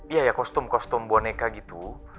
iya ya kostum kostum boneka gitu